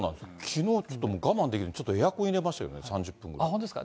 きのうちょっと我慢できずにちょっとエアコン入れましたけど、３本当ですか。